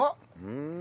うん。